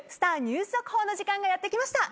ニュース速報の時間がやって来ました。